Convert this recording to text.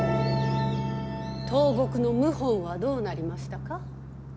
東国の謀反はどうなりましたか。